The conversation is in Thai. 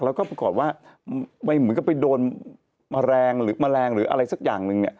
แล้วก็จะขอบว่าเหมือนกับไปโดนแมลงหรืออะไรสักอย่างหนึ่ง